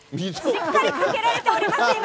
しっかりかけられています、今。